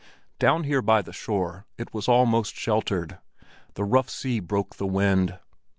Down here by the shore it was almost sheltered; the rough sea broke the wind.